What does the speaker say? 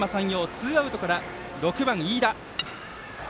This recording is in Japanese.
ツーアウトから６番、飯田。